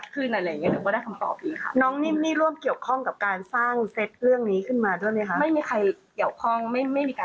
เดี๋ยวยังไงเนี่ยเมริกก็จะให้เพิ่มเติมกับพี่ดีกว่าค่ะ